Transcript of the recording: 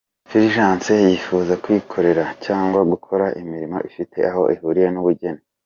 Fulgence yifuza kwikorera cyangwa gukora imirimo ifite aho ihuriye n’ubugeni.